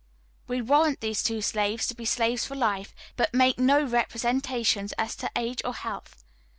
We warrant these two slaves to be slaves for life, but make no representations as to age or health.